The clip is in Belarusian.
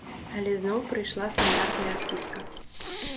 Але зноў прыйшла стандартная адпіска.